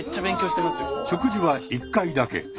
食事は１回だけ。